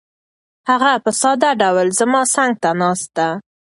هغه په ساده ډول زما څنګ ته ناسته ده.